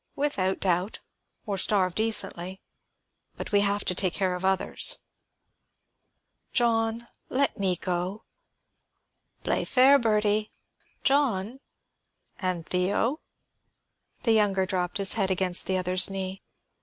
"Without doubt, or starve decently. But we have to take care of others." "John, let me go." "Play fair, Bertie." "John " "And Theo?" The younger dropped his head against the other's knee.